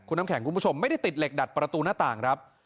น้ำแข็งคุณผู้ชมไม่ได้ติดเหล็กดัดประตูหน้าต่างครับ